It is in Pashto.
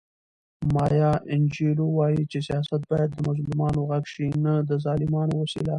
مایا انجیلو وایي چې سیاست باید د مظلومانو غږ شي نه د ظالمانو وسیله.